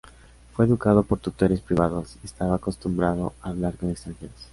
Fue educado por tutores privados, y estaba acostumbrado a hablar con extranjeros.